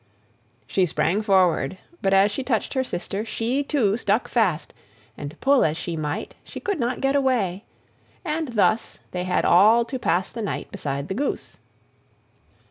She sprang forward, but as she touched her sister she too stuck fast, and pull as she might she could not get away; and thus they had all to pass the night beside the goose.